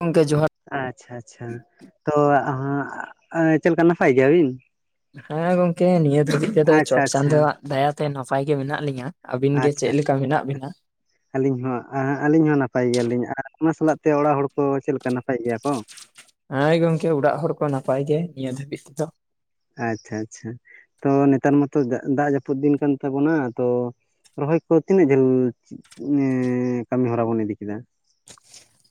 ᱜᱚᱝᱠᱮ ᱡᱚᱦᱟᱨ ᱟᱪᱪᱷᱟ, ᱟᱪᱪᱷᱟ ᱛᱚ ᱟᱸᱻᱪᱮᱜ ᱞᱮᱠᱟ ᱱᱟᱯᱟᱭ ᱜᱤᱭᱟ ᱵᱤᱱ? ᱦᱮᱸ ᱜᱚᱝᱠᱮ ᱱᱤᱭᱟᱹ ᱫᱷᱟᱹᱵᱤᱡ ᱛᱮᱫᱚ ᱟᱪᱪᱷᱟ ᱪᱚᱴ ᱟᱪᱪᱷᱟ ᱪᱟᱸᱫᱳᱣ ᱟᱜ ᱫᱟᱭᱟ ᱛᱮ ᱱᱟᱯᱟᱭ ᱜᱮ ᱢᱮᱱᱟᱜ ᱞᱤᱧᱟᱹ᱾ ᱟᱹᱵᱤᱱ ᱜᱮ ᱟᱪᱪᱷᱟ ᱪᱮᱫ ᱞᱮᱠᱟ ᱢᱮᱱᱟᱜ ᱵᱤᱱᱟ? ᱟᱹᱞᱤᱧ ᱦᱚᱸ ᱟᱸᱻ ᱟᱹᱞᱤᱧ ᱦᱚᱸ ᱱᱟᱯᱟᱭ ᱜᱮᱭᱟ ᱞᱤᱧ ᱟᱨ ᱚᱱᱟ ᱥᱟᱞᱟᱜ ᱛᱮ ᱚᱲᱟᱜ ᱦᱚᱲ ᱠᱚ ᱪᱮᱜ ᱞᱮᱠᱟ ᱱᱟᱯᱟᱭ ᱜᱮᱭᱟ ᱠᱚ? ᱦᱳᱭ ᱜᱚᱝᱠᱮ ᱩᱲᱟᱜ ᱦᱚᱲ ᱠᱚ ᱱᱟᱯᱟᱭ ᱜᱮ ᱱᱤᱭᱟᱹ ᱫᱷᱟᱹᱵᱤᱡ ᱛᱮᱫᱚ᱾ ᱟᱪᱪᱷᱟ, ᱟᱪᱪᱷᱟ᱾ ᱛᱚ ᱱᱮᱛᱟᱨ ᱢᱟᱛᱚ ᱫᱟᱜ ᱡᱟᱯᱩᱫ ᱫᱤᱱ ᱠᱟᱱ ᱛᱟᱵᱚᱱᱟ ᱛᱚ ᱨᱚᱦᱚᱭ ᱠᱚ ᱛᱤᱱᱟᱹᱜ ᱡᱷᱟᱹᱞ? ᱮᱸᱻ ᱠᱟᱹᱢᱤ ᱦᱚᱨᱟ ᱵᱚᱱ ᱤᱫᱤ ᱠᱮᱫᱟ᱾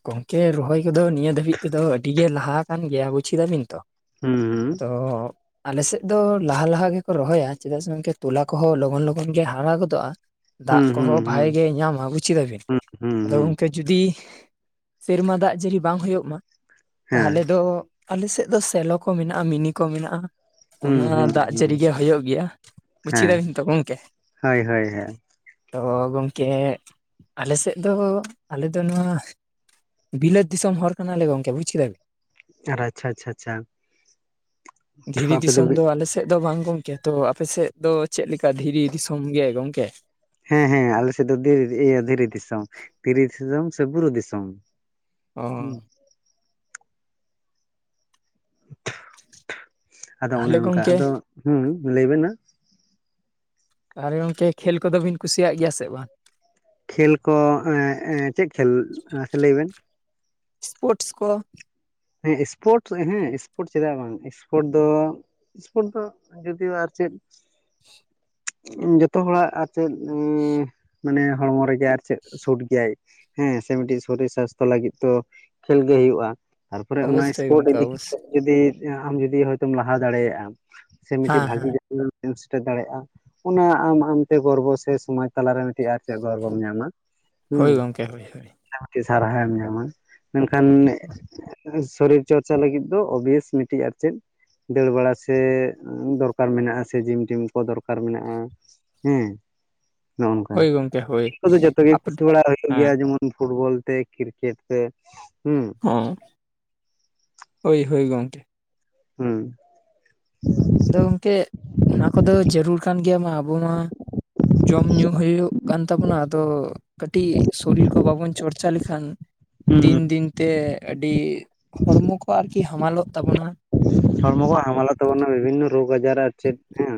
ᱜᱚᱝᱠᱮ ᱨᱚᱦᱚᱭ ᱠᱚᱫᱚ ᱱᱤᱭᱟᱹ ᱫᱷᱟᱹᱵᱤᱡ ᱛᱮᱫᱚ ᱟᱹᱰᱤ ᱜᱮ ᱞᱟᱦᱟ ᱟᱠᱟᱱᱟ ᱜᱮᱭᱟ ᱵᱩᱡ ᱠᱤᱫᱟ ᱵᱤᱱ ᱛᱚ? ᱦᱩᱸ᱾ ᱛᱚ ᱟᱞᱮᱥᱮᱫ ᱫᱚ ᱞᱟᱦᱟ ᱞᱟᱦᱟ ᱜᱮᱠᱚ ᱨᱚᱦᱚᱭᱟ ᱪᱮᱫᱟᱜ ᱥᱮ ᱜᱚᱝᱠᱮ ᱛᱚᱞᱟ ᱠᱚᱦᱚᱸ ᱞᱚᱜᱚᱱ ᱞᱚᱜᱚᱱ ᱜᱮ ᱦᱟᱨᱟ ᱜᱚᱫᱚᱜᱼᱟ᱾ ᱫᱟᱜ ᱦᱩᱸ ᱦᱩᱸ ᱠᱚᱦᱚᱸ ᱦᱩᱸ ᱵᱷᱟᱜ ᱜᱮ ᱧᱟᱢᱟ ᱵᱩᱪᱠᱤᱫᱟᱵᱤᱱ ᱦᱩᱸ ᱦᱩᱸ ᱟᱫᱚ ᱦᱩᱸ ᱜᱚᱢᱠᱮ ᱡᱩᱫᱤᱼᱼ ᱥᱤᱨᱢᱟ ᱫᱟᱜ ᱡᱟᱹᱲᱤ ᱵᱟᱝ ᱦᱩᱭᱩᱜ ᱢᱟ ᱦᱮᱸ ᱛᱟᱦᱚᱞᱮ ᱫᱚᱼᱼ ᱟᱞᱮ ᱥᱮᱫ ᱫᱚ ᱥᱮᱞᱚ ᱠᱚ ᱢᱮᱱᱟᱜᱼᱟ ᱢᱤᱱᱤ ᱠᱚ ᱢᱮᱱᱟᱜᱼᱟ᱾ ᱦᱩᱸ ᱚᱱᱟ ᱦᱩᱸ ᱫᱟᱜ ᱦᱩᱸ ᱡᱟᱹᱲᱤ ᱜᱮ ᱦᱩᱭᱩᱜ ᱜᱮᱭᱟ ᱵᱩᱪ ᱦᱮᱸ ᱠᱮᱫᱟᱵᱤᱱ ᱛᱚ ᱜᱚᱢᱠᱮ? ᱦᱳᱭ ᱦᱳᱭ ᱦᱮᱸ ᱛᱚ ᱜᱚᱢᱠᱮ ᱟᱞᱮᱥᱮᱫ ᱫᱚ ᱟᱞᱮᱚ ᱱᱚᱣᱟᱼᱼ ᱵᱤᱞᱟᱹᱛ ᱫᱤᱥᱚᱢ ᱦᱚᱲ ᱠᱟᱱᱟᱞᱮ ᱜᱚᱢᱠᱮ ᱵᱩᱡ ᱠᱮᱫᱟ ᱵᱮᱼᱼ ᱟᱨ ᱟᱪᱷᱟ ᱟᱪᱷᱟ ᱟᱪᱷᱟ ᱵᱤᱱ ᱫᱷᱤᱨᱤ ᱟᱯᱮ ᱫᱚᱼᱼ ᱫᱤᱥᱚᱢ ᱫᱚ ᱟᱞᱮ ᱥᱮᱫ ᱫᱚ ᱵᱟᱝ ᱜᱚᱢᱠᱮ ᱛᱚ ᱟᱯᱮ ᱥᱮᱫ ᱫᱚ ᱪᱮᱫ ᱞᱮᱠᱟ ᱫᱷᱤᱨᱤ ᱫᱤᱥᱚᱢ ᱜᱮ ᱜᱚᱢᱠᱮ? ᱦᱮᱸ ᱦᱮᱸ ᱟᱞᱮ ᱥᱮᱫ ᱫᱚᱤ ᱤᱭᱟᱹ ᱫᱷᱤᱨᱤ ᱫᱤᱥᱚᱢ ᱫᱷᱤᱨᱤ ᱫᱤᱥᱚᱢ ᱥᱮ ᱵᱩᱨᱩ ᱫᱤᱥᱚᱢ᱾ ᱦᱩᱸ ᱚ ᱟᱫᱚ ᱚᱱᱮ ᱛᱟᱦᱚᱞᱮ ᱚᱱᱠᱟ ᱜᱚᱝᱠᱮ ᱟᱫᱚ ᱦᱮᱸ ᱞᱟᱹᱭᱵᱮᱱ ᱢᱟ᱾ ᱛᱟᱦᱨᱮ ᱜᱚᱢᱠᱮ ᱠᱷᱮᱞ ᱠᱚᱫᱚᱵᱤᱱ ᱠᱩᱥᱤᱭᱟᱜ ᱜᱮᱭᱟ ᱥᱮ ᱵᱟᱝ? ᱠᱷᱮᱞ ᱠᱚ ᱮᱸ ᱮᱸ ᱪᱮᱜ ᱠᱷᱮᱞ ᱥᱮ ᱞᱟᱹᱭ ᱵᱮᱱ᱾ ᱥᱯᱳᱨᱴᱥ ᱠᱚ᱾ ᱦᱮᱸ ᱥᱯᱳᱨᱴᱥ ᱦᱮᱸ ᱥᱯᱳᱨᱴ ᱪᱮᱫᱟᱜ ᱵᱟᱝ ᱥᱯᱳᱨᱴ ᱫᱚᱼᱼ ᱥᱯᱳᱴ ᱫᱚ ᱡᱩᱫᱤ ᱵᱟᱨᱪᱮᱼᱼ [inaudible] ᱡᱷᱚᱛᱚ ᱦᱚᱲᱟᱜ ᱟᱨ ᱪᱮᱫ ᱢᱟᱱᱮ ᱦᱚᱲᱢᱚ ᱨᱮᱜᱮ ᱟᱨ ᱪᱮᱫ ᱥᱩᱴ ᱜᱮᱭᱟᱭ ᱾ ᱦᱮᱸ ᱥᱮ ᱢᱤᱫᱴᱤᱡ ᱥᱚᱨᱤᱨ ᱥᱟᱥᱛᱷᱚ ᱞᱟᱹᱜᱤᱫ ᱛᱚ ᱠᱷᱮᱞ ᱜᱮ ᱦᱩᱭᱩᱜᱼᱟ ᱾ ᱛᱟᱨᱯᱚᱨᱮ ᱚᱱᱟ ᱚᱵᱚᱥᱥᱳᱭ ᱥᱯᱳᱨᱴ ᱜᱚᱝᱠᱮ ᱤᱫᱤ ᱚᱵᱚᱥᱥᱳᱭ ᱠᱟᱛᱮᱼᱼ ᱡᱩᱫᱤ ᱟᱢ ᱡᱩᱫᱤ ᱦᱳᱭᱼᱛᱚᱢ ᱞᱟᱦᱟ ᱫᱟᱲᱮᱭᱟᱜᱼᱟ ᱥᱮ ᱦᱮᱸ ᱢᱤᱫᱴᱤᱡ ᱦᱮᱸ ᱵᱷᱟᱜᱤ ᱡᱩᱫᱤᱼᱼ ᱥᱮᱴᱮᱨ ᱫᱟᱲᱮᱭᱟᱜᱼᱟ ᱚᱱᱟ ᱟᱢ ᱟᱢᱛᱮ ᱜᱚᱨᱵᱚ ᱥᱮ ᱥᱚᱢᱟᱡᱽ ᱛᱟᱞᱟᱨᱮᱼᱼ ᱪᱮᱫ ᱟᱨ ᱪᱮᱫ ᱜᱚᱨᱵᱚᱢ ᱧᱟᱢᱟ ᱦᱩᱸ ᱦᱳᱭ ᱜᱚᱝᱠᱮ ᱦᱳᱭ ᱦᱳᱭ ᱟᱨᱠᱤ ᱥᱟᱨᱦᱟᱣᱼᱮᱢ ᱧᱟᱢᱟᱼᱼ ᱢᱮᱱᱠᱷᱟᱱ ᱥᱚᱨᱤᱨ ᱪᱚᱨᱪᱟ ᱞᱟᱹᱜᱤᱫ ᱫᱚ ᱳᱵᱤᱭᱮᱥ ᱢᱤᱫᱴᱤᱡ ᱟᱨ ᱪᱮᱫᱼᱼ ᱫᱟᱹᱲ ᱵᱟᱲᱟ ᱥᱮ ᱫᱚᱨᱠᱟᱨ ᱢᱮᱱᱟᱜᱼᱟ ᱥᱮ ᱡᱤᱢ ᱴᱤᱢ ᱠᱚ ᱫᱚᱨᱠᱟᱨ ᱢᱮᱱᱟᱜᱼᱟ ᱾ ᱦᱮᱸ ᱱᱚᱜ ᱱᱚᱝᱠᱟ ᱦᱳᱭ ᱜᱚᱝᱠᱮ ᱦᱳᱭ ᱫᱚ ᱡᱷᱚᱛᱚ ᱜᱮ ᱟᱯᱮ ᱠᱩᱥᱤ ᱵᱟᱲᱟ ᱦᱩᱭᱩᱜ ᱜᱮᱭᱟ ᱦᱮᱸ ᱡᱮᱢᱚᱱᱼᱼ ᱯᱷᱩᱴᱵᱚᱞ ᱛᱮ ᱠᱨᱤᱠᱮᱴ ᱛᱮ ᱦᱩᱸᱼᱼ ᱦᱚᱸ ᱦᱳᱭ ᱦᱳᱭ ᱜᱚᱢᱠᱮ ᱾ ᱦᱩᱸ ᱟᱫᱚ ᱜᱚᱢᱠᱮ᱾ ᱚᱱᱟ ᱠᱚᱫᱚ ᱡᱟᱹᱨᱩᱲ ᱠᱟᱱ ᱜᱮᱭᱟ ᱢᱟ ᱟᱵᱚ ᱢᱟᱼᱼ ᱡᱚᱢ ᱧᱩ ᱦᱩᱭᱩᱜ ᱠᱟᱱ ᱛᱟᱵᱚᱱᱟ ᱟᱫᱚᱼᱼ ᱠᱟᱹᱴᱤᱡ ᱥᱚᱨᱤᱨ ᱠᱚ ᱵᱟᱵᱚᱱ ᱪᱚᱨᱪᱟ ᱞᱮᱠᱷᱟᱱᱼᱼ ᱫᱤᱱ ᱫᱤᱱ ᱛᱮ ᱟᱹᱰᱤ ᱦᱚᱲᱢᱚ ᱠᱚ ᱟᱨᱠᱤ ᱦᱟᱢᱟᱞᱚᱜ ᱛᱟᱵᱚᱱᱟ ᱾ ᱦᱚᱲᱢᱚ ᱠᱚ ᱦᱟᱢᱟᱞᱚᱜ ᱛᱟᱵᱚᱱᱟ ᱵᱤᱵᱷᱤᱱᱼᱱᱚ ᱨᱳᱜᱽ ᱟᱡᱟᱨ ᱟᱨ ᱪᱮᱫ ᱦᱮᱸᱼᱼ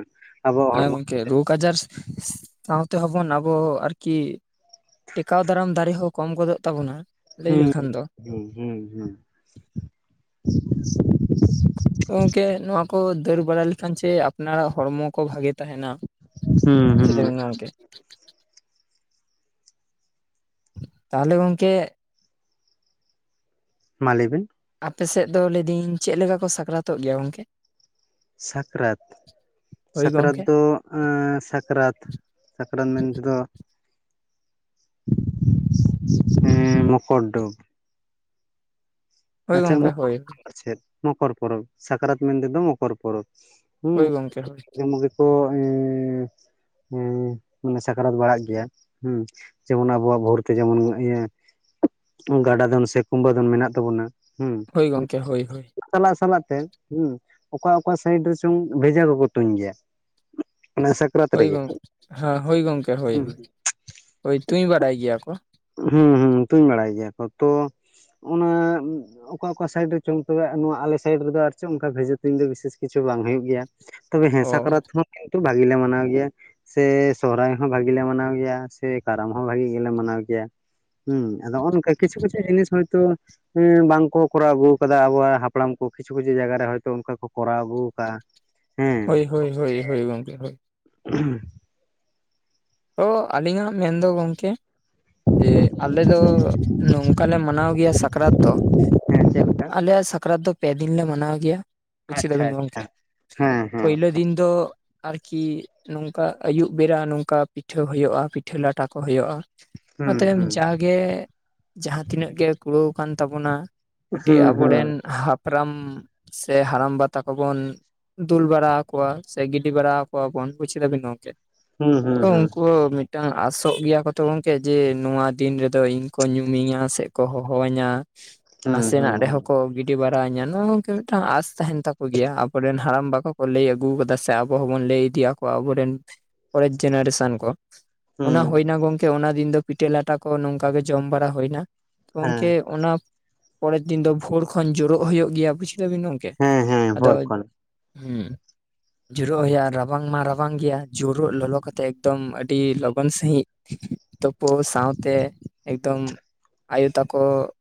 ᱦᱳᱭ ᱜᱚᱢᱠᱮ ᱨᱳᱜᱽ ᱟᱡᱟᱨ ᱥᱟᱶᱛᱮ ᱦᱚᱵᱚᱱ ᱟᱵᱚ ᱟᱨᱠᱤᱼᱼ ᱴᱮᱠᱟᱣ ᱫᱟᱨᱟᱢ ᱫᱟᱲᱮ ᱦᱚᱸ ᱠᱚᱢ ᱜᱚᱫᱚᱜ ᱛᱟᱵᱚᱱᱟ ᱞᱟᱹᱭ ᱞᱮᱠᱷᱟᱱ ᱫᱚᱼᱼ ᱦᱮᱸ ᱦᱩᱸ ᱦᱩᱸ! ᱜᱚᱢᱠᱮ ᱱᱚᱣᱟ ᱠᱚ ᱫᱟᱹᱲ ᱵᱟᱲᱟ ᱞᱮᱠᱷᱟᱱ ᱪᱮ ᱟᱯᱱᱟᱨᱟᱜ ᱦᱚᱲᱢᱚ ᱠᱚ ᱵᱷᱟᱜᱮ ᱛᱟᱸᱦᱮᱱᱟ ᱾ ᱦᱩᱸ ᱦᱩᱸ ᱜᱚᱢᱠᱮ ᱾ ᱛᱟᱦᱚᱞᱮ ᱜᱚᱢᱠᱮ᱾ ᱢᱟ ᱞᱟᱹᱭ ᱵᱤᱱ ᱾ ᱟᱯᱮ ᱥᱮᱫ ᱫᱚ ᱞᱟᱹᱭᱫᱟᱹᱞᱤᱧ ᱪᱮᱫ ᱞᱮᱠᱟ ᱠᱚ ᱥᱟᱠᱨᱟᱛᱚᱜ ᱜᱮᱭᱟ ᱜᱚᱢᱠᱮ? ᱥᱟᱠᱨᱟᱛ᱾ ᱦᱳᱭ ᱥᱟᱠᱨᱟᱛ ᱜᱚᱝᱠᱮ ᱫᱚ ᱮᱸ ᱥᱟᱠᱨᱟᱛ ᱥᱟᱠᱨᱟᱛ ᱢᱮᱱᱛᱮ ᱫᱚᱼᱼ ᱮᱸᱻ ᱢᱚᱠᱚᱨ ᱰᱩᱵᱽ! ᱦᱳᱭ ᱜᱚᱢᱠᱮ ᱦᱳᱭ ᱾ ᱪᱷᱮᱫ ᱢᱚᱠᱚᱨ ᱯᱚᱨᱚᱵᱽ ᱥᱟᱠᱨᱟᱛ ᱢᱮᱱ ᱛᱮ ᱫᱚ ᱢᱚᱠᱚᱨ ᱯᱚᱨᱚᱵᱽ ᱦᱳᱭ ᱜᱚᱝᱠᱮ ᱦᱳᱭ ᱦᱮᱸᱡᱮᱢᱚᱱᱼᱼ ᱚᱸ ᱧᱩᱸ ᱠᱚ ᱥᱟᱠᱨᱟᱛ ᱵᱟᱲᱟᱜ ᱜᱮᱭᱟ ᱦᱩᱸᱼᱼ ᱡᱮᱢᱚᱱ ᱟᱵᱚᱣᱟᱜ ᱵᱷᱳᱨᱛᱮ ᱡᱮᱢᱚᱱ ᱤᱭᱟᱹ ᱜᱟᱰᱟ ᱫᱚᱱ ᱥᱮ ᱠᱩᱢᱵᱟᱹ ᱫᱚᱱ ᱢᱮᱱᱟᱜ ᱛᱟᱵᱚᱱᱟᱼᱼ ᱦᱳᱭ ᱜᱚᱢᱠᱮ ᱦᱳᱭ ᱾ ᱪᱟᱞᱟᱜ ᱥᱟᱞᱟᱜ ᱛᱮ ᱦᱮᱸ ᱚᱠᱟ ᱚᱠᱟ ᱥᱟᱭᱤᱰ ᱨᱮ ᱪᱚᱝ ᱵᱷᱮᱡᱟ ᱠᱚᱠᱚ ᱛᱩᱧ ᱜᱮᱭᱟ ᱾ ᱚᱱᱟ ᱥᱟᱠᱨᱟ ᱦᱳᱭ ᱜᱚᱢᱠᱮ ᱦᱮ ᱦᱳᱭ ᱜᱚᱢᱠᱮ ᱦᱳᱭ ᱦᱩᱸ ᱦᱳᱭ ᱛᱩᱧ ᱵᱟᱰᱟᱭ ᱜᱮᱭᱟ ᱠᱚᱼᱼ ᱦᱩᱸ ᱦᱩᱸ ᱛᱩᱧ ᱵᱟᱲᱟᱭ ᱜᱮᱭᱟ ᱠᱚ ᱛᱚ ᱚᱱᱟᱼᱼ ᱚᱠᱟ ᱚᱠᱟ ᱥᱟᱭᱤᱰ ᱨᱮ ᱪᱚᱝ ᱛᱚᱵᱮ ᱱᱚᱣᱟ ᱟᱞᱮ ᱥᱟᱭᱤᱰ ᱨᱮᱫᱚ ᱟᱨ ᱪᱮᱫ ᱚᱱᱠᱟ ᱵᱷᱮᱡᱟ ᱛᱩᱧ ᱫᱚ ᱵᱤᱥᱮᱥ ᱠᱤᱪᱷᱩ ᱵᱟᱝ ᱦᱩᱭᱩᱜ ᱜᱮᱭᱟ ᱾ ᱛᱚᱵᱮ ᱦᱮᱸ ᱚ ᱥᱟᱠᱨᱟᱛ ᱦᱚᱸ ᱠᱤᱱᱛᱩ ᱵᱷᱟᱜᱤ ᱞᱮ ᱢᱟᱱᱟᱣ ᱜᱮᱭᱟ ᱾ ᱥᱮ ᱥᱚᱨᱦᱟᱭ ᱦᱚᱸ ᱵᱷᱟᱜᱮᱞᱮ ᱢᱟᱱᱟᱣ ᱜᱮᱭᱟ ᱥᱮ ᱠᱟᱨᱟᱢ ᱦᱚᱸ ᱵᱷᱟᱜᱤ ᱜᱮᱞᱮ ᱢᱟᱱᱟᱣ ᱜᱮᱭᱟ ᱾ ᱜᱮᱭᱟ ᱦᱮᱸ ᱟᱫᱚ ᱱᱚᱜᱼᱚ ᱱᱚᱝᱠᱟ ᱠᱤᱪᱷᱩ ᱠᱤᱪᱷᱩ ᱡᱤᱱᱤᱥ ᱦᱚᱭ ᱛᱳ ᱼᱼ ᱦᱚᱸ ᱵᱟᱝ ᱠᱚ ᱠᱚᱨᱟᱣ ᱟᱹᱜᱩ ᱟᱠᱟᱫᱟ ᱟᱵᱚᱣᱟᱜ ᱦᱟᱯᱲᱟᱢ ᱠᱚ ᱠᱤᱪᱷᱩ ᱠᱤᱪᱷᱩ ᱡᱟᱭᱜᱟ ᱨᱮ ᱦᱚᱭᱛᱚ ᱚᱱᱠᱟ ᱠᱚ ᱠᱚᱨᱟᱣ ᱟᱹᱜᱩ ᱟᱠᱟᱫᱟᱼᱟ ᱾ ᱦᱳᱭ ᱦᱳᱭ ᱦᱳᱭ ᱦᱳᱭ ᱜᱚᱢᱠᱮ ᱦᱳᱭ᱾ [inaudible] ᱚ ᱟᱹᱞᱤᱧᱟᱜ ᱢᱮᱱᱫᱚ ᱜᱚᱢᱠᱮ ᱾ ᱡᱮ ᱟᱞᱮ ᱫᱚ ᱱᱚᱝᱠᱟ ᱞᱮ ᱢᱟᱱᱟᱣ ᱜᱮᱭᱟ ᱥᱟᱠᱨᱟᱛ ᱫᱚ᱾ ᱦᱮᱸ ᱪᱮᱫ ᱞᱮᱠᱟ? ᱟᱞᱮᱭᱟᱜ ᱥᱟᱠᱨᱟᱛ ᱫᱚ ᱯᱮ ᱫᱤᱱ ᱞᱮ ᱢᱟᱱᱟᱣ ᱜᱮᱭᱟ᱾ ᱵᱩᱡ ᱟᱪᱪᱷᱟ ᱠᱮᱫᱟᱵᱤᱱ ᱜᱚᱢᱠᱮ ᱟᱪᱪᱷᱟ ᱦᱮᱸ ᱦᱮᱸ ᱯᱳᱭᱞᱳ ᱫᱤᱱ ᱫᱚ ᱾ ᱟᱨᱠᱤ ᱱᱚᱝᱠᱟ ᱟᱹᱭᱩᱵ ᱵᱮᱲᱟ ᱱᱚᱝᱠᱟ ᱯᱤᱴᱷᱟᱹ ᱦᱳᱭᱳᱜᱼᱟ ᱯᱤᱴᱷᱟᱹ ᱞᱟᱴᱟ ᱠᱚ ᱦᱳᱭᱳᱜᱼᱟ ᱾ ᱚᱱᱟ ᱦᱩᱸ ᱛᱟᱭᱚᱢ ᱦᱩᱸ ᱡᱟᱜᱮ ᱡᱟᱦᱟᱸ ᱛᱤᱱᱟᱹᱜ ᱜᱮ ᱠᱩᱲᱟᱹᱣᱠᱟᱱ ᱛᱟᱵᱚᱱᱟ ᱟᱹᱴᱤ ᱦᱩᱸ ᱦᱩᱸ ᱟᱵᱚᱨᱮᱱ ᱦᱟᱯᱲᱟᱢ ᱥᱮ ᱦᱟᱲᱟᱢᱵᱟ ᱛᱟᱠᱚᱵᱚᱱ ᱾ ᱫᱩᱞ ᱵᱟᱲᱟ ᱠᱚᱣᱟ ᱥᱮ ᱜᱤᱰᱤ ᱵᱟᱲᱟ ᱠᱚᱣᱟ ᱵᱚᱱ ᱵᱩᱡ ᱠᱮᱫᱟᱵᱤᱱ ᱜᱚᱢᱠᱮ ᱦᱩᱸ ᱦᱩᱸ ᱛᱚ ᱦᱩᱸ ᱩᱱᱠᱩ ᱢᱤᱫ ᱴᱟᱝ ᱟᱥᱚᱜ ᱜᱮᱭᱟ ᱠᱚ ᱛᱚ ᱜᱚᱢᱠᱮ ᱡᱮ ᱱᱚᱣᱟ ᱫᱤᱱ ᱨᱮᱫᱚ ᱤᱧ ᱠᱚ ᱧᱩᱢᱤᱧᱟ ᱥᱮ ᱠᱚ ᱦᱚᱦᱚ ᱟᱹᱧᱟ ᱾ ᱦᱩᱸ ᱦᱩᱸ ᱱᱟᱥᱮᱱᱟᱜ ᱨᱮ ᱦᱩᱸ ᱦᱚᱸᱠᱚ ᱜᱤᱫ ᱰᱤ ᱵᱟᱨᱟ ᱤᱧᱟ ᱱᱚ ᱱᱚᱝᱠᱮ ᱢᱤᱫᱴᱟᱝ ᱟᱥ ᱛᱟᱦᱮᱱ ᱛᱟᱠᱚ ᱜᱮᱭᱟ ᱟᱵᱚᱨᱮᱱ ᱦᱟᱲᱟᱢ ᱵᱟ ᱠᱚ ᱞᱟᱹᱭ ᱟᱹᱜᱩ ᱠᱟᱫᱟ ᱥᱮ ᱟᱵᱚ ᱦᱚᱵᱚᱱ ᱞᱟᱹᱭ ᱛᱤᱭᱟ ᱠᱚ ᱟᱵᱚᱨᱮᱱ ᱯᱚᱨᱮᱡ ᱡᱮᱱᱟᱨᱮᱥᱚᱱ ᱠᱚ ᱚᱱᱟ ᱦᱩᱸ ᱦᱳᱭᱱᱟ ᱜᱚᱢ ᱠᱮ ᱚᱱᱟ ᱫᱤᱱ ᱫᱚ ᱯᱤᱴᱟᱹ ᱞᱟᱴᱟ ᱠᱚ ᱱᱚᱝᱠᱟ ᱜᱮ ᱡᱚᱢ ᱵᱟᱲᱟ ᱦᱳᱭᱱᱟ ᱦᱮᱸ ᱜᱚᱝᱠᱮ ᱚᱱᱟ ᱾ ᱯᱚᱨᱮᱨ ᱫᱤᱱ ᱫᱚ ᱵᱷᱳᱨ ᱠᱷᱚᱱ ᱡᱳᱨᱚᱜ ᱦᱳᱭᱳᱜ ᱜᱮᱭᱟ ᱵᱩᱡ ᱫᱟᱵᱤᱱ ᱜᱚᱢᱠᱮ ᱦᱮᱸ ᱦᱮᱸ ᱟᱫᱚ ᱵᱷᱳᱨ ᱠᱷᱚᱱ ᱦᱩᱸ ᱾ ᱡᱳᱨᱚᱜ ᱦᱳᱭᱳᱜᱼᱟ ᱨᱟᱵᱟᱝ ᱢᱟ ᱨᱟᱵᱟᱝ ᱜᱮᱭᱟ ᱡᱳᱨᱳᱜ ᱞᱚᱞᱚ ᱠᱷᱟᱛ ᱛᱮ ᱮᱠᱫᱚᱢ ᱟᱹᱰᱤ ᱞᱚᱜᱚᱱ ᱥᱟᱺᱦᱤᱡ ᱛᱳᱯᱩ ᱥᱟᱶᱛᱮ ᱮᱠᱫᱚᱢ ᱾ ᱟᱭᱳ ᱛᱟᱠᱚ ᱾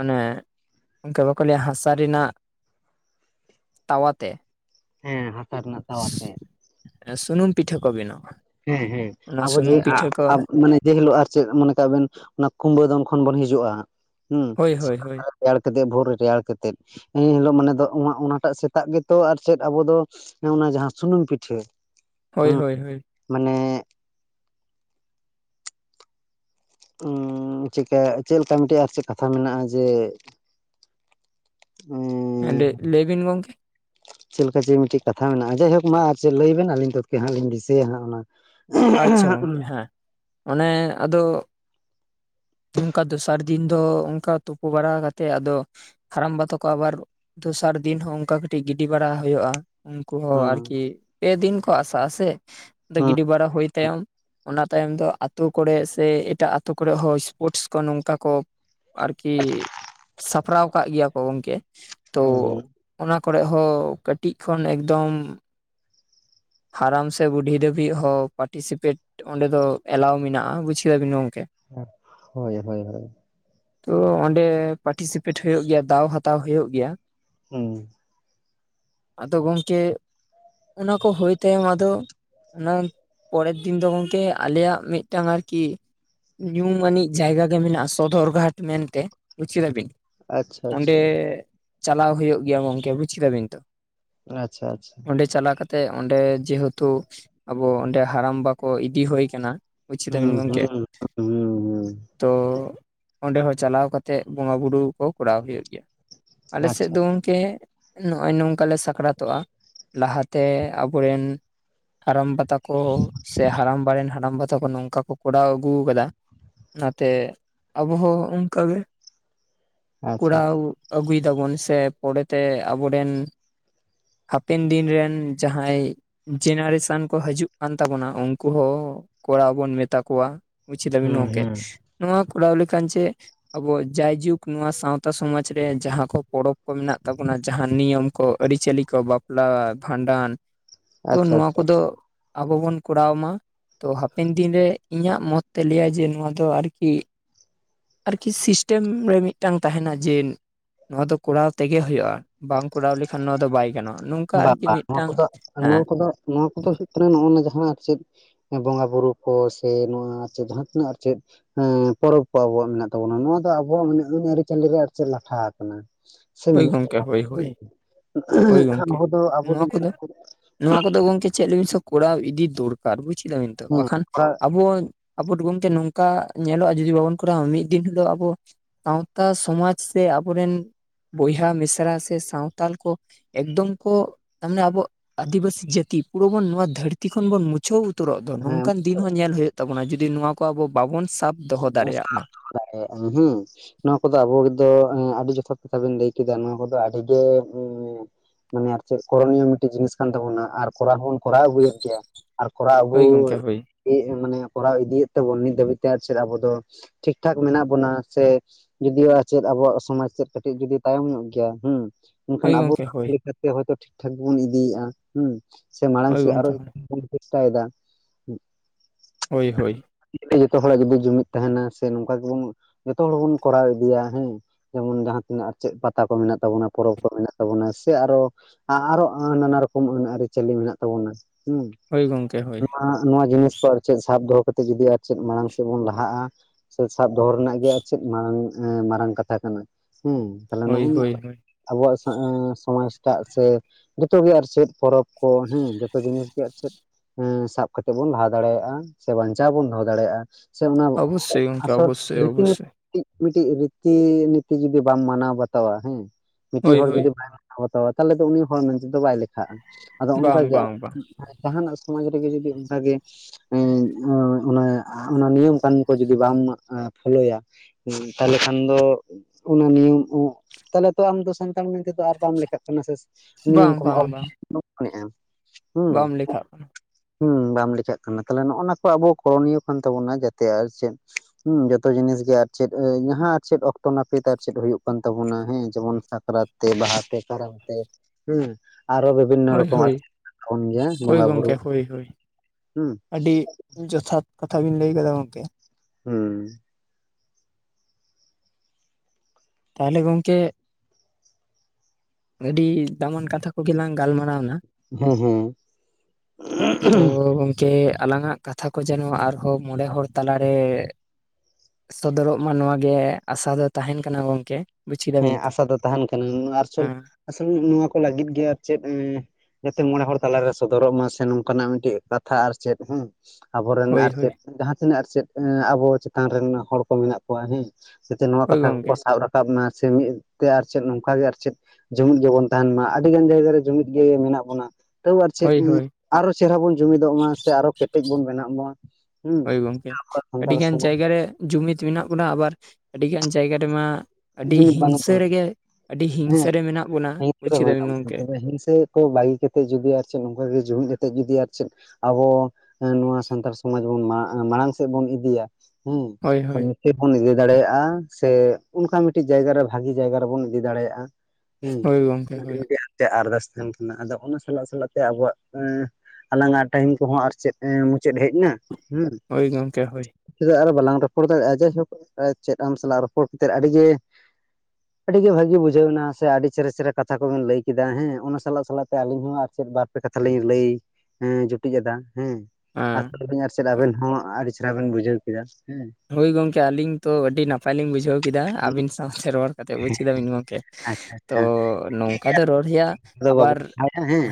ᱚᱱᱮ ᱩᱱᱠᱟ ᱵᱟᱠᱚ ᱞᱟᱹᱭᱟ ᱦᱟᱥᱟ ᱨᱮᱱᱟᱜ ᱛᱟᱣᱟᱛᱮ ᱾ ᱦᱮᱸ ᱦᱟᱥᱟ ᱨᱮᱱᱟᱜ ᱛᱟᱣᱟ ᱛᱮ ᱾ ᱥᱩᱱᱩᱢ ᱯᱤᱴᱷᱟᱹ ᱠᱚ ᱵᱮᱱᱟᱣᱟ ᱾ ᱦᱮᱸ ᱦᱮᱸ ᱟᱵᱚ ᱫᱮ ᱟᱜ ᱟᱵ ᱢᱟᱱᱮ ᱾ ᱡᱮ ᱦᱤᱞᱳᱜ ᱟᱨ ᱪᱮᱜ ᱢᱚᱱᱮ ᱠᱟᱜ ᱵᱮᱱ ᱚᱱᱟ ᱠᱩᱢᱵᱟᱹ ᱫᱟᱱ ᱠᱷᱚᱱ ᱵᱚᱱ ᱦᱤᱡᱩᱜᱼᱟ ᱦᱩᱸ ᱦᱳᱭ ᱦᱳᱭ ᱦᱳᱭ ᱾ ᱭᱟᱲ ᱠᱟᱫᱮᱯ ᱵᱷᱳᱨ ᱨᱮᱭᱟᱲ ᱠᱟᱛᱮᱫ ᱩᱝ ᱦᱤᱞᱳᱜ ᱢᱟᱱᱮ ᱫᱚ ᱩᱣᱟ ᱚᱱᱟᱴᱟᱜ ᱥᱮᱛᱟᱜ ᱜᱮᱛᱚ ᱟᱨ ᱪᱮᱫ ᱟᱵᱚ ᱫᱚ ᱾ ᱚᱱᱟ ᱡᱟᱦᱟᱸ ᱥᱩᱱᱩᱢ ᱯᱤᱴᱷᱟᱹ ᱦᱳᱭ ᱦᱩᱸ ᱦᱳᱭ ᱦᱳᱭ ᱢᱟᱱᱮ ᱾ ᱩᱢ ᱪᱤᱠᱟᱹ ᱪᱮᱞᱠᱟ ᱢᱤᱫᱴᱮᱡ ᱟᱨ ᱥᱮ ᱠᱟᱛᱷᱟ ᱢᱮᱱᱟᱜᱼᱟ ᱡᱮ ᱮᱸᱫᱤᱡ ᱞᱟᱹᱭ ᱵᱤᱱ ᱜᱚᱢᱠᱮ ᱾ ᱪᱮᱞᱠᱟ ᱪᱮ ᱢᱤᱫᱴᱤᱡ ᱠᱟᱛᱷᱟ ᱢᱮᱱᱟᱜᱼᱟ, ᱡᱟᱭᱦᱳᱠ ᱢᱟ ᱟᱨ ᱪᱮᱜ ᱞᱟᱹᱭ ᱵᱮᱱ ᱟᱹᱞᱤᱧ ᱛᱚᱠᱮ ᱦᱟᱸᱜ ᱞᱤᱧ ᱫᱤᱥᱟᱹᱭᱟ ᱦᱟᱸᱜ ᱚᱱᱟ ᱾ ᱟᱪᱪᱷᱟ ᱜᱚᱝᱠᱮ [inaudible] ᱦᱮᱸ ᱚᱱᱮ ᱟᱫᱚ ᱱᱚᱝᱠᱟ ᱫᱚᱥᱟᱨ ᱫᱤᱱ ᱫᱚ ᱚᱝᱠᱟ ᱛᱩᱯᱚ ᱵᱟᱲᱟ ᱠᱟᱛᱮᱜ ᱟᱫᱚ ᱦᱟᱨᱟᱢ ᱵᱟ ᱛᱟᱠᱚ ᱟᱵᱟᱨ ᱫᱚᱥᱟᱨ ᱫᱤᱱ ᱦᱚᱸ ᱚᱝᱠᱟ ᱠᱟᱹᱴᱤᱡ ᱜᱤᱰᱤ ᱵᱟᱲᱟ ᱦᱳᱭᱳᱜᱼᱟ ᱾ ᱩᱱᱠᱩ ᱦᱚᱸ ᱦᱩᱸ ᱟᱨᱠᱤ ᱯᱮᱫᱤᱱ ᱠᱚ ᱟᱥᱟᱜᱼᱟ ᱥᱮ ᱦᱩᱸ ᱜᱤᱰᱤ ᱵᱟᱲᱟ ᱦᱳᱭ ᱛᱟᱭᱚᱢ ᱚᱱᱟ ᱛᱟᱭᱚᱢ ᱫᱚ ᱟᱛᱳ ᱠᱚᱨᱮᱜ ᱥᱮ ᱮᱴᱟᱜ ᱟᱛᱳ ᱠᱚᱨᱮᱜ ᱦᱚᱸ ᱥᱯᱳᱨᱴᱥ ᱠᱚ ᱱᱚᱝᱠᱟ ᱠᱚ ᱟᱨᱠᱤ ᱥᱟᱯᱨᱟᱣ ᱠᱟᱜ ᱜᱮᱭᱟ ᱠᱚ ᱜᱚᱝᱠᱮ, ᱛᱚ ᱦᱩᱸ ᱚᱱᱟ ᱠᱚᱨᱮᱜ ᱦᱚᱸ ᱠᱟᱹᱴᱤᱡ ᱠᱷᱚᱱ ᱮᱠᱫᱚᱢ ᱦᱟᱨᱟᱢ ᱥᱮ ᱵᱩᱰᱦᱤ ᱫᱷᱟᱹᱵᱤᱡ ᱦᱚᱸ ᱯᱟᱴᱤᱥᱤᱯᱮᱴ ᱚᱸᱰᱮ ᱫᱚ ᱮᱞᱟᱣ ᱢᱮᱱᱟᱜᱼᱟ ᱵᱩᱡ ᱠᱮᱫᱟ ᱵᱤᱱ ᱜᱚᱝᱠᱮ ᱾ ᱦᱳᱭ ᱦᱳᱭ ᱦᱳᱭ ᱾ ᱛᱚ ᱚᱸᱰᱮ ᱯᱟᱴᱤᱥᱤᱯᱮᱴ ᱦᱳᱭᱳᱜ ᱜᱮᱭᱟ ᱫᱟᱣ ᱦᱟᱛᱟᱣ ᱦᱳᱭᱳᱜ ᱜᱮᱭᱟ ᱾ ᱦᱩᱸ ᱾ ᱟᱫᱚ ᱜᱚᱝᱠᱮ ᱚᱱᱟ ᱠᱚ ᱦᱳᱭ ᱛᱮ ᱩᱣᱟ ᱫᱚ ᱱᱚᱱ ᱯᱚᱨᱮᱨ ᱫᱤᱱ ᱫᱚ ᱜᱚᱝᱠᱮ ᱟᱞᱮᱭᱟᱜ ᱢᱤᱫᱴᱟᱝ ᱟᱨᱠᱤ ᱧᱩᱢ ᱟᱱᱤᱡ ᱡᱟᱭᱜᱟ ᱜᱮ ᱢᱮᱱᱟᱜᱼᱟ ᱥᱚᱫᱚᱨ ᱜᱷᱟᱴ ᱢᱮᱱᱛᱮ ᱵᱩᱡ ᱠᱮᱫᱟ ᱵᱤᱱ! ᱟᱪᱪᱷᱟ ᱚᱸᱰᱮ ᱟᱪᱪᱷᱟ ᱪᱟᱞᱟᱣ ᱦᱳᱭᱳᱜ ᱜᱮᱭᱟ ᱜᱚᱝᱠᱮ ᱵᱩᱡ ᱠᱮᱫᱟᱵᱤᱱ ᱛᱚ ᱾ ᱟᱪᱪᱷᱟ ᱟᱪᱪᱷᱟ ᱾ ᱚᱸᱰᱮ ᱪᱟᱞᱟ ᱠᱟᱛᱮᱜ ᱚᱸᱰᱮ ᱡᱮᱦᱮᱛᱩ ᱟᱵᱚ ᱚᱸᱰᱮ ᱦᱟᱨᱟᱢ ᱵᱟᱠᱚ ᱤᱫᱤ ᱦᱳᱭ ᱠᱟᱱᱟ ᱾ ᱵᱩᱡ ᱠᱮᱫᱟ ᱵᱤᱱ ᱦᱩᱸ ᱜᱚᱝᱠᱮ? ᱦᱩᱸ ᱦᱩᱸ ᱦᱩᱸ ᱾ ᱛᱚ ᱚᱸᱰᱮ ᱦᱚᱸ ᱪᱟᱞᱟᱣ ᱠᱟᱛᱮᱜ ᱵᱚᱸᱜᱟ ᱵᱩᱨᱩ ᱠᱚ ᱠᱚᱨᱟᱣ ᱦᱳᱭᱳᱜ ᱜᱮᱭᱟ ᱾ ᱟᱞᱮ ᱥᱮᱜ ᱟᱪᱪᱷᱟ ᱫᱚ ᱜᱚᱝᱠᱮ ᱱᱚᱜᱼᱚᱭ ᱱᱚᱝᱠᱟ ᱞᱮ ᱥᱟᱠᱨᱟᱛᱚᱜᱼᱟ ᱞᱟᱦᱟᱛᱮ ᱟ ᱵᱚᱨᱮᱱ ᱦᱟᱨᱟᱢᱵᱟ ᱛᱟᱠᱚ ᱥᱮ ᱦᱟᱨᱟᱢᱵᱟ ᱨᱮᱱ ᱦᱟᱨᱟᱢᱵᱟ ᱛᱟᱠᱚ ᱱᱚᱝᱠᱟ ᱠᱚ ᱠᱚᱲᱟᱣ ᱟᱹᱜᱩ ᱠᱟᱫᱟ ᱾ ᱚᱱᱟᱛᱮ ᱟᱵᱚ ᱦᱚᱸ ᱚᱝᱠᱟᱜᱮ ᱟᱪᱪᱷᱟ ᱠᱩᱨᱟᱣ ᱟᱪᱪᱷᱟ ᱟᱹᱜᱩᱭ ᱛᱟᱵᱚᱱ ᱥᱮ ᱯᱚᱲᱮ ᱛᱮ ᱟᱵᱚᱲᱮᱱ ᱦᱟᱯᱮᱱ ᱫᱤᱱ ᱨᱮᱱ ᱡᱟᱦᱟᱸᱭ ᱡᱮᱱᱟᱨᱮᱥᱚᱱ ᱠᱚ ᱦᱟᱹᱡᱩᱜ ᱠᱟᱱ ᱛᱟᱵᱚᱱᱟ ᱩᱝᱠᱩ ᱦᱚᱸ ᱠᱚᱨᱟᱶ ᱵᱚᱱ ᱢᱮᱛᱟ ᱠᱚᱣᱟ ᱾ ᱵᱩᱡᱷ ᱠᱮᱫᱟᱵᱤᱱ ᱦᱩᱸ ᱜᱚᱝᱠᱮ! ᱦᱩᱸ ᱱᱚᱣᱟ ᱠᱚᱲᱟᱣ ᱞᱮᱠᱟᱱ ᱪᱮᱜ ᱟᱵᱚᱣᱟᱜ ᱡᱟᱭᱡᱩᱜᱽ ᱱᱚᱣᱟ ᱥᱟᱶᱛᱟ ᱥᱚᱢᱟᱡ ᱨᱮ ᱡᱟᱦᱟᱸ ᱠᱚ ᱯᱚᱲᱚᱵ ᱠᱚ ᱢᱮᱱᱟᱜ ᱛᱟᱵᱚᱱᱟ ᱡᱟᱦᱟᱸ ᱱᱤᱭᱚᱢ ᱠᱚ ᱟᱹᱨᱤᱪᱟᱹᱞᱤ ᱠᱚ ᱵᱟᱯᱞᱟ ᱵᱷᱟᱸᱰᱟᱱ ᱛᱚ ᱟᱪᱪᱷᱟ ᱱᱚᱣᱟ ᱟᱪᱪᱷᱟ ᱠᱚᱫᱚ ᱟᱵᱚ ᱵᱚᱱ ᱠᱚᱲᱟᱣ ᱢᱟ ᱾ ᱛᱚ ᱦᱟᱯᱮᱱ ᱫᱤᱱᱨᱮ ᱤᱧᱟᱹᱜ ᱢᱚᱛ ᱛᱮ ᱞᱟᱹᱭ ᱟᱭ ᱡᱮ ᱱᱚᱣᱟ ᱫᱚ ᱟᱨᱠᱤ ᱟᱨᱠᱤ ᱥᱤᱥᱴᱮᱢ ᱨᱮ ᱢᱤᱫᱴᱟᱝ ᱛᱟᱦᱮᱱᱟ ᱡᱮ ᱱᱚᱣᱟ ᱫᱚ ᱠᱚᱨᱟᱣ ᱛᱮᱜᱮ ᱦᱳᱭᱳᱜᱼᱟ ᱵᱟᱝ ᱠᱚᱨᱟᱣ ᱞᱮᱠᱷᱟᱱ ᱱᱚᱣᱟ ᱫᱚ ᱵᱟᱭ ᱜᱟᱱᱚᱜᱼᱟ ᱾ ᱵᱟᱝ ᱵᱟᱝ ᱱᱚᱣᱟ ᱠᱚᱫᱚ ᱱᱚᱣᱟ ᱠᱚᱫᱚ ᱱᱚᱣᱟ ᱠᱚᱫᱚ ᱦᱩᱭᱩᱜ ᱠᱟᱱᱟ ᱱᱚᱜᱼᱚ ᱱᱚᱣᱟ ᱡᱟᱦᱟᱸ ᱟᱨ ᱪᱮᱫ ᱵᱚᱸᱜᱟ ᱵᱩᱨᱩ ᱠᱚ ᱥᱮ ᱱᱚᱣᱟ ᱟᱨ ᱪᱮᱫ ᱡᱟᱦᱟᱸ ᱛᱤᱱᱟᱹᱜ ᱟᱨ ᱪᱮᱫ ᱮᱸ ᱯᱚᱨᱚᱵᱽ ᱠᱚ ᱟᱵᱚᱣᱟᱜ ᱢᱮᱱᱟᱜ ᱛᱟᱵᱚᱱᱟ, ᱱᱚᱣᱟ ᱫᱚ ᱟᱵᱚᱣᱟᱜ ᱟᱹᱨᱤᱪᱟᱹᱞᱤ ᱨᱮ ᱪᱮᱫ ᱞᱟᱴᱷᱟ ᱟᱠᱟᱱᱟ ᱾ ᱥᱮ ᱦᱳᱭ ᱢᱮᱱᱟᱜ ᱜᱚᱝᱠᱮ ᱛᱟᱵᱚᱱᱟ ᱦᱳᱭ ᱦᱳᱭ ᱦᱮᱸ, ᱦᱳᱭ ᱜᱚᱝᱠᱮ ᱟᱵᱚ ᱫᱚ ᱟᱵᱚ ᱱᱚᱣᱟ [inaudible] ᱠᱚᱫᱚ ᱱᱚᱣᱟ ᱠᱚᱫᱚ ᱜᱚᱝᱠᱮ ᱪᱮᱫ ᱞᱟᱹᱭᱵᱤᱱ ᱠᱚᱨᱟᱣ ᱤᱫᱤ ᱫᱚᱨᱠᱟᱨ ᱵᱩᱡ ᱠᱮᱫᱟᱵᱤᱱ ᱛᱚ! ᱵᱟᱠᱷᱟᱱ ᱛᱷᱚᱲᱟ ᱟᱵᱚ ᱟᱵᱚᱰ ᱜᱚᱝᱠᱮ ᱱᱚᱝᱠᱟ ᱧᱮᱞᱚᱜᱼᱟ ᱡᱩᱫᱤ ᱵᱟᱵᱚᱱ ᱠᱚᱨᱟᱣᱟ ᱢᱤᱫ ᱫᱤᱱ ᱦᱤᱞᱳᱜ ᱟᱵᱚ ᱥᱟᱶᱛᱟ ᱥᱚᱢᱟᱡᱽ ᱥᱮ ᱟᱵᱚᱨᱮᱱ ᱵᱚᱭᱦᱟ ᱢᱤᱥᱨᱟ ᱥᱮ ᱥᱟᱶᱛᱟᱞ ᱠᱚ ᱮᱠᱫᱚᱢ ᱠᱚ ᱛᱟᱢᱟᱱᱮ ᱟᱵᱚ ᱟᱹᱫᱤᱵᱟᱹᱥᱤ ᱡᱟᱹᱛᱤ ᱯᱩᱨᱟᱹ ᱵᱚᱱ ᱱᱚᱣᱟ ᱫᱷᱟᱹᱨᱛᱤ ᱠᱷᱚᱱ ᱵᱚᱱ ᱢᱩ ᱪᱷᱟᱹᱣ ᱩᱛᱟᱹᱨᱚᱜ ᱫᱚ ᱦᱮᱸ ᱱᱚᱝᱠᱟᱱ ᱫᱤᱱ ᱦᱚᱸᱧᱮᱞ ᱦᱳᱭᱳᱜ ᱛᱟᱵᱚᱱᱟ ᱡᱩᱫᱤ ᱱᱚᱣᱟ ᱠᱚ ᱟᱵᱚ ᱵᱟᱵᱚᱱ ᱥᱟᱵ ᱫᱚᱦᱚ ᱫᱟᱲᱮᱭᱟᱜ ᱢᱟ [unintelligible] ᱦᱮᱸ ᱱᱚᱣᱟ ᱠᱚᱫᱚ ᱟᱵᱚ ᱫᱚ ᱟᱹᱰᱤ ᱡᱚᱛᱷᱟᱛ ᱠᱟᱛᱷᱟ ᱵᱤᱱ ᱞᱟᱹᱭ ᱠᱮᱫᱟ ᱱᱚᱣᱟ ᱠᱚᱫᱚ ᱟᱹᱰᱤ ᱜᱮ ᱢᱟᱱᱮ ᱟᱨ ᱪᱮᱫ ᱠᱚᱨᱚᱱᱤᱭᱚ ᱢᱤᱫᱴᱮᱡ ᱡᱤᱱᱤᱥ ᱠᱟᱱ ᱛᱟᱵᱚᱱᱟ ᱟᱨ ᱠᱚᱨᱟᱣ ᱦᱚᱸᱵᱚᱱ ᱠᱚᱨᱟᱣ ᱟᱹᱜᱩᱭᱮᱫ ᱜᱮᱭᱟ ᱟᱨ ᱠᱚᱨᱟᱣ ᱟᱹᱜᱩ ᱦᱳᱭ ᱜᱚᱢᱠᱮ ᱦᱳᱭ ᱢᱟᱱᱮ ᱠᱚᱨᱟᱣ ᱤᱫᱤᱭᱮᱫ ᱛᱟᱵᱚᱱ ᱱᱤᱛ ᱫᱷᱟᱹᱵᱤᱡ ᱛᱮ ᱪᱮᱫ ᱟᱵᱚ ᱫᱚ ᱴᱷᱤᱠ ᱴᱷᱟᱠ ᱢᱮᱱᱟᱜ ᱵᱚᱱᱟ ᱥᱮ ᱡᱚᱫᱤᱭᱟ ᱟᱨ ᱪᱮᱫ ᱟᱵᱚᱣᱟᱜ ᱥᱚᱢᱟᱡ ᱪᱮᱫ ᱠᱟᱹᱴᱤᱡ ᱡᱚᱫᱤ ᱛᱟᱭᱚᱢ ᱧᱚᱜ ᱜᱮᱭᱟ ᱦᱮᱸ ᱢᱮᱱᱠᱷᱟᱱ ᱦᱳᱭ ᱟᱵᱚ ᱜᱚᱢᱠᱮ ᱦᱳᱭ ᱞᱮᱠᱟᱛᱮᱭ ᱴᱷᱤᱠ ᱴᱷᱟᱠ ᱵᱚᱱ ᱤᱫᱤᱭᱮᱫᱼᱟ ᱦᱩ ᱥᱮ ᱢᱟᱲᱟᱝ ᱦᱳᱭ ᱥᱮᱫ ᱟᱨᱚ ᱜᱚᱢᱠᱮ ᱦᱳᱭ ᱵᱚᱱ ᱪᱮᱥᱴᱟᱭᱮᱫᱟ ᱦᱩ, ᱦᱳᱭ ᱦᱳᱭ᱾ ᱡᱚᱛᱚ ᱦᱚᱲᱟᱜ ᱡᱩᱫᱤ ᱡᱩᱢᱤᱫ ᱛᱟᱦᱮᱱᱟ ᱥᱮ ᱱᱚᱝᱠᱟ ᱜᱮᱵᱚᱱ ᱡᱚᱛᱚ ᱦᱚᱲᱵᱚᱱ ᱠᱚᱨᱟᱣ ᱤᱫᱤᱭᱟ ᱦᱮᱸ ᱡᱮᱢᱚᱱ ᱡᱟᱦᱟᱸ ᱛᱤᱱᱟᱹᱜ ᱟᱨ ᱪᱮᱫ ᱯᱟᱛᱟ ᱠᱚ ᱢᱮᱱᱟᱜ ᱛᱟᱵᱚᱱᱟ ᱯᱚᱨᱚᱵᱽ ᱠᱚ ᱢᱮᱱᱟᱜ ᱛᱟᱵᱚᱱᱟ ᱥᱮ ᱟᱨᱚ ᱟᱨᱚ ᱱᱟᱱᱟ ᱨᱚᱠᱚᱢ ᱟᱹᱱ ᱟᱹᱨᱤᱪᱟᱹᱞᱤ ᱢᱮᱱᱟᱜ ᱛᱟᱵᱚᱱᱟ ᱦᱩᱸ, ᱦᱳᱭ ᱜᱚᱢᱠᱮ ᱦᱳᱭ ᱱᱚᱣᱟ ᱱᱚᱣᱟ ᱡᱤᱱᱤᱥ ᱠᱚ ᱟᱨ ᱪᱮᱫ ᱥᱟᱵ ᱫᱚᱦᱚ ᱠᱟᱛᱮ ᱡᱩᱫᱤ ᱟᱨ ᱪᱮᱫ ᱢᱟᱲᱟᱝ ᱪᱮᱫ ᱵᱚᱱ ᱞᱟᱦᱟᱜᱼᱟ ᱥᱮ ᱥᱟᱵ ᱫᱚᱦᱚ ᱨᱮᱱᱟᱜ ᱜᱮ ᱟᱨ ᱪᱮᱫᱟ ᱢᱟᱨᱟᱝ ᱠᱟᱛᱷᱟ ᱠᱟᱱᱟ ᱦᱮᱸ, ᱛᱟᱦᱚᱞᱮ ᱦᱳᱭ ᱱᱚᱜᱼᱚᱭ ᱦᱳᱭ ᱦᱳᱭ ᱟᱵᱚᱣᱟᱜ ᱥᱚᱢᱟᱡᱴᱟᱜ ᱥᱮ ᱡᱚᱛᱚᱜᱮ ᱟᱨ ᱪᱮᱫ ᱯᱚᱨᱚᱵᱽ ᱠᱚ ᱦᱮᱸ ᱡᱚᱛᱚ ᱡᱤᱱᱤᱥ ᱜᱮ ᱟᱨ ᱪᱮᱫ ᱮᱸ ᱥᱟᱵ ᱠᱟᱛᱮᱜ ᱵᱩᱱ ᱞᱟᱦᱟ ᱫᱟᱲᱮᱭᱟᱜᱼᱟ ᱥᱮ ᱵᱟᱧᱪᱟᱣ ᱵᱚᱱ ᱫᱚᱦᱚ ᱫᱟᱲᱮᱭᱟᱜᱼᱟ, ᱥᱮ ᱚᱱᱟ ᱚᱵᱚᱥᱥᱳᱭ ᱜᱚᱢᱠᱮ ᱟᱥᱚᱞ ᱚᱵᱚᱥᱥᱳᱭ ᱨᱤᱛᱤ ᱱᱤᱛᱤ ᱚᱵᱚᱥᱥᱳᱭ ᱢᱤᱫᱴᱤᱡ ᱢᱤᱫᱴᱤᱡ ᱨᱤᱛᱤ ᱱᱤᱛᱤ ᱡᱩᱫᱤ ᱵᱟᱢ ᱢᱟᱱᱟᱣ ᱵᱟᱛᱟᱣᱟ ᱦᱮᱸ ᱢᱤᱫᱴᱤᱡ ᱦᱳᱭ ᱦᱚᱲ ᱦᱳᱭ ᱡᱩᱫᱤ ᱵᱟᱭ ᱵᱟᱛᱟᱣᱟ ᱛᱟᱦᱚᱞᱮ ᱫᱚ ᱩᱱᱤ ᱦᱚᱲ ᱢᱮᱱᱛᱮᱫᱚ ᱵᱟᱭ ᱞᱮᱠᱷᱟᱜᱼᱟ ᱟᱫᱚ ᱵᱟᱝ ᱚᱱᱠᱟᱜᱮ ᱵᱟᱝ ᱵᱟᱝ ᱡᱟᱦᱟᱱᱟᱜ ᱥᱚᱢᱟᱡᱽ ᱨᱮᱜᱮ ᱡᱩᱫᱤ ᱚᱱᱠᱟᱜᱮ ᱚᱱᱟ ᱚᱱᱟ ᱱᱤᱭᱚᱢ ᱠᱟᱱ ᱠᱚ ᱡᱩᱚᱫᱤ ᱵᱟᱢ ᱯᱷᱚᱞᱳᱭᱟ ᱛᱟᱦᱚᱞᱮ ᱠᱷᱟᱱ ᱫᱚ ᱚᱱᱟ ᱱᱤᱭᱚᱢ ᱛᱟᱦᱚᱞᱮ ᱛᱚ ᱟᱢᱫᱚ ᱥᱟᱱᱛᱟᱲ ᱢᱮᱱ ᱛᱮᱫᱚ ᱟᱨ ᱵᱟᱢ ᱞᱮᱠᱷᱟᱜ ᱠᱟᱱᱟ ᱥᱮ ᱱᱤᱭᱚᱢ ᱠᱚ ᱵᱟᱝ ᱵᱟᱝ ᱵᱟᱝ [unintelligible] ᱮᱜᱼᱟ ᱦᱮᱸ ᱵᱟᱢ ᱞᱮᱠᱷᱟᱜ ᱠᱟᱱᱟ ᱦᱩᱸ ᱵᱟᱢ ᱞᱮᱠᱷᱟᱜ ᱠᱟᱱᱟ ᱛᱟᱦᱚᱞᱮ ᱱᱚᱜᱱᱟ ᱠᱚ ᱟᱵᱚ ᱠᱚᱨᱚᱱᱤᱭᱚ ᱠᱟᱱ ᱛᱟᱵᱚᱱᱟ ᱡᱟᱛᱮ ᱟᱨ ᱪᱮᱫ, ᱦᱮᱸ ᱡᱚᱛᱚ ᱡᱤᱱᱤᱥ ᱜᱮ ᱟᱨ ᱪᱮᱫ ᱡᱟᱦᱟᱸ ᱟᱨ ᱪᱮᱫ ᱚᱠᱛᱚ ᱱᱟᱹᱯᱤᱛ ᱟᱨ ᱪᱮᱫ ᱦᱩᱭᱩᱜ ᱠᱟᱱ ᱛᱟᱵᱚᱱᱟ ᱦᱮᱸ ᱡᱮᱢᱚᱱ ᱥᱟᱠᱨᱟᱛ ᱛᱮ ᱵᱟᱦᱟ ᱛᱮ ᱠᱟᱨᱟᱢ ᱛᱮ ᱦᱮ ᱟᱨᱚ ᱵᱤᱵᱷᱤᱱᱚ ᱦᱳᱭ ᱨᱚᱠᱚᱢ ᱦᱳᱭ ᱟᱨᱚᱱ ᱜᱮᱭᱟ ᱦᱳᱭ ᱵᱚᱸᱜᱟ ᱵᱩᱨᱩ ᱜᱚᱢᱠᱮ ᱦᱳᱭ ᱦᱳᱭ ᱦᱮᱸ᱾ ᱟᱹᱰᱤ ᱡᱚᱛᱷᱟᱛ ᱠᱟᱛᱷᱟ ᱵᱤᱧ ᱞᱟᱹᱭ ᱠᱟᱫᱟ ᱜᱚᱝᱠᱮ᱾ ᱦᱩᱸ᱾ ᱛᱟᱦᱚᱞᱮ ᱜᱚᱢᱠᱮ ᱟᱹᱰᱤ ᱫᱟᱢᱟᱱ ᱠᱟᱛᱷᱟ ᱠᱚᱜᱮ ᱞᱟᱝ ᱜᱟᱞᱢᱟᱨᱟᱣ ᱮᱱᱟ, ᱦᱮᱸ ᱦᱮᱸ᱾ ᱠᱮ ᱟᱞᱟᱝᱟᱜ ᱠᱟᱛᱷᱟ ᱠᱚ ᱡᱮᱱᱚ ᱟᱨᱦᱚᱸ ᱢᱚᱬᱮ ᱦᱚᱲ ᱛᱟᱞᱟᱨᱮ ᱥᱚᱫᱚᱨᱚᱜ ᱢᱟ ᱱᱚᱣᱟ ᱜᱮ ᱟᱥᱟ ᱫᱚ ᱛᱟᱦᱮᱱ ᱠᱟᱱᱟ ᱜᱚᱝᱠᱮ, ᱦᱮᱸ ᱟᱥᱟ ᱫᱚ ᱛᱟᱦᱮᱱ ᱠᱟᱱᱟ, ᱟᱥᱚᱞ ᱦᱮᱸ ᱟᱥᱚᱞ ᱱᱚᱣᱟ ᱠᱚ ᱞᱟᱹᱜᱤᱫ ᱜᱮ ᱟᱨ ᱪᱮᱫ ᱡᱟᱛᱮ ᱢᱚᱬᱮ ᱦᱚᱲ ᱛᱟᱞᱟᱨᱮ ᱥᱚᱫᱚᱨᱚᱜ ᱢᱟ ᱥᱮ ᱱᱚᱝᱠᱟᱱᱟᱜ ᱢᱤᱫᱴᱮᱱ ᱠᱟᱛᱷᱟ ᱟᱨ ᱪᱮᱫ ᱦᱮᱸ ᱟᱵᱚᱨᱮᱱ ᱦᱳᱭ ᱟᱨ ᱦᱳᱭ ᱪᱮᱫ ᱡᱟᱦᱟᱸ ᱛᱤᱱᱟᱹᱜ ᱟᱨ ᱪᱮᱫ ᱟᱵᱚ ᱪᱮᱛᱟᱱ ᱨᱮᱱ ᱦᱚᱲ ᱠᱚ ᱢᱮᱱᱟᱜ ᱠᱚᱣᱟ ᱦᱮᱸ ᱱᱚᱣᱟ ᱦᱳᱭ ᱠᱟᱛᱷᱟ ᱜᱚᱢᱠᱮ ᱠᱚᱠᱚ ᱥᱟᱵ ᱨᱟᱠᱟᱵ ᱨᱟᱠᱟᱵ ᱮᱱᱟ ᱥᱮ ᱢᱤᱫ ᱛᱮ ᱟᱨ ᱪᱮᱫ ᱱᱚᱝᱠᱟ ᱜᱮ ᱟᱨ ᱪᱮᱫ ᱡᱩᱢᱤᱫ ᱜᱮᱵᱚᱱ ᱛᱟᱦᱮᱱ ᱢᱟ ᱟᱹᱰᱤ ᱜᱟᱱ ᱡᱟᱭᱜᱟ ᱨᱮ ᱡᱩᱢᱤᱫ ᱜᱮ ᱢᱮᱱᱟᱜ ᱵᱚᱱᱟ ᱾ ᱛᱚ ᱟᱨ ᱪᱮᱫ ᱦᱳᱭ ᱦᱳᱭ ᱟᱨᱚ ᱪᱮᱦᱨᱟ ᱵᱚᱱ ᱡᱩᱢᱤᱫᱚᱜ ᱢᱟ ᱥᱮ ᱟᱨᱚ ᱠᱮᱴᱮᱡ ᱵᱚᱱ ᱵᱮᱱᱟᱜ ᱢᱟ᱾ ᱦᱮᱸ ᱦᱳᱭ ᱜᱚᱢᱠᱮ ᱥᱟᱱᱛᱟᱲ ᱟᱹᱰᱤᱜᱟᱱ ᱥᱚᱢᱟᱡᱽ ᱡᱟᱭᱜᱟ ᱨᱮ ᱡᱩᱢᱤᱫ ᱢᱮᱱᱟᱜ ᱵᱚᱱᱟ ᱟᱵᱟᱨ ᱟᱹᱰᱤᱜᱟᱱ ᱡᱟᱭᱜᱟ ᱨᱮᱢᱟ ᱟᱹᱰᱤ ᱡᱩᱢᱤᱫ ᱵᱟᱹᱱᱩᱜ ᱦᱤᱝᱥᱟᱹ ᱵᱚᱱᱟ ᱨᱮᱜᱮ ᱟᱹᱰᱤ ᱦᱤᱝᱥᱟ ᱨᱮ ᱢᱮᱱᱟᱜ ᱵᱚᱱᱟ ᱵᱩᱡ ᱠᱮᱫᱟᱵᱤᱱ ᱜᱚᱝᱠᱮ, ᱦᱤᱝᱥᱟᱹ, ᱵᱟᱹᱜᱤ ᱠᱟᱛᱮᱫ ᱡᱩᱫᱤ ᱟᱨ ᱪᱮᱫ ᱱᱚᱝᱠᱟ ᱜᱮ ᱡᱩᱢᱤᱫ ᱠᱟᱛᱮᱫ ᱡᱩᱫᱤ ᱟᱨ ᱪᱮᱫ, ᱟᱵᱚ ᱱᱚᱣᱟ ᱥᱟᱱᱛᱟᱲ ᱥᱚᱢᱟᱡᱽ ᱵᱚᱱ ᱢᱟᱲᱟᱝ ᱥᱮᱫ ᱵᱚᱱ ᱤᱫᱤᱭᱟ, ᱦᱮᱸ ᱦᱳᱭ [inaudible] ᱦᱳᱭ ᱱᱤᱥᱮ ᱵᱚᱱ ᱤᱫᱤ ᱫᱟᱲᱮᱭᱟᱜᱼᱟ ᱥᱮ, ᱚᱱᱠᱟ ᱢᱤᱫ ᱴᱮᱱ ᱡᱟᱭᱜᱟ ᱨᱮ ᱵᱷᱟᱜᱮ ᱡᱟᱭᱜᱟ ᱨᱮ ᱵᱚᱱ ᱤᱫᱤ ᱫᱟᱲᱮᱭᱟᱜᱼᱟ ᱦᱮᱸ, ᱦᱳᱭ ᱜᱚᱢᱠᱮ ᱦᱳᱭ ᱛᱮ ᱟᱨᱫᱟᱥ ᱛᱮᱦᱮᱱ ᱠᱟᱱᱟ ᱟᱫᱚ ᱚᱱᱟ ᱥᱟᱞᱟᱜ ᱥᱟᱞᱟᱜ ᱛᱮ ᱟᱵᱚᱣᱟᱜ, ᱟᱞᱟᱝᱟᱜ ᱴᱟᱭᱤᱢ ᱠᱚ ᱦᱚᱸ ᱟᱨ ᱪᱮᱫ ᱢᱩᱪᱟᱹᱫ ᱦᱮᱡ ᱮᱱᱟ, ᱦᱳᱭ ᱜᱚᱢᱠᱮ ᱦᱳᱭ, ᱱᱤᱫ ᱟᱨ ᱵᱟᱞᱟᱝ ᱨᱚᱯᱚᱲ ᱫᱟᱲᱮᱭᱟᱜᱼᱟ ᱡᱟᱭᱦᱳᱠ ᱪᱮᱫ ᱟᱢ ᱥᱟᱞᱟᱜ ᱨᱚᱯᱚᱲ ᱠᱟᱛᱮᱫ ᱟᱹᱰᱤ ᱜᱮ, ᱟᱹᱰᱤ ᱜᱮ ᱵᱷᱟᱜᱮ ᱵᱩᱡᱷᱟᱹᱣ ᱮᱱᱟ ᱥᱮ ᱟᱹᱰᱤ ᱪᱮᱨᱦᱟ ᱪᱮᱨᱦᱟ ᱠᱟᱛᱷᱟ ᱠᱚᱵᱮᱱ ᱞᱟᱹᱭ ᱠᱮᱫᱟ ᱦᱮᱸ ᱚᱱᱟ ᱥᱟᱞᱟᱜ ᱥᱟᱞᱟᱜ ᱛᱮ ᱟᱞᱤᱧ ᱦᱚᱸ ᱟᱥᱤᱨᱵᱟᱫ ᱠᱟᱛᱷᱟ ᱞᱤᱧ ᱞᱟᱹᱭ ᱡᱩᱴᱤᱡ ᱟᱫᱟ ᱦᱮᱸ, ᱦᱮᱸ ᱟᱨ ᱪᱮᱫ ᱟᱵᱮᱱ ᱦᱚᱸ ᱟᱹᱰᱤ ᱪᱮᱨᱦᱟ ᱵᱮᱱ ᱵᱩᱡᱷᱟᱹᱣ ᱠᱮᱫᱟ ᱦᱮᱸ, ᱦᱳᱭ ᱜᱚᱢᱠᱮ ᱟᱹᱞᱤᱧ ᱛᱚ ᱟᱹᱰᱤ ᱱᱟᱯᱟᱭ ᱞᱤᱧ ᱵᱩᱡᱷᱟᱹᱣ ᱠᱮᱫᱟ ᱟᱹᱵᱤᱱ ᱥᱟᱶᱛᱮ ᱨᱚᱲ ᱠᱟᱛᱮ ᱵᱩᱡᱽ ᱠᱮᱫᱟ ᱵᱤᱱ ᱜᱚᱢᱠᱮ, ᱟᱪᱪᱷᱟ ᱛᱚ ᱟᱪᱪᱷᱟ ᱱᱚᱝᱠᱟ ᱫᱚ ᱨᱚᱲ ᱨᱮᱭᱟᱜ ᱟᱫᱚ ᱟᱵᱟᱨ, ᱵᱟᱵᱚᱱ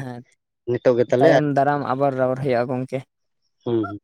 ᱦᱮᱸ ᱱᱤᱛᱚᱜ ᱜᱮ ᱛᱟᱦᱚᱞᱮ ᱛᱟᱭᱚᱢ ᱫᱟᱨᱟᱢ ᱟᱵᱟᱨ ᱨᱚᱲ ᱦᱳᱭᱳᱜᱼᱟ ᱜᱚᱢᱼᱼ ᱦᱩᱸ ᱦᱩᱸ,